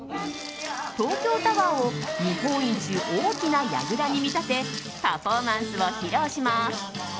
東京タワーを日本一大きなやぐらに見立てパフォーマンスを披露します。